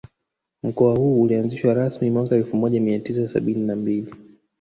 Mkoa huu ulianzishwa rasmi mwaka elfu moja mia tisa sabini na mbili